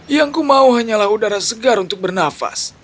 yang kumau hanyalah udara segar untuk bernafas